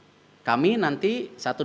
nah kemarin kita berbicara tentang komite ad hoc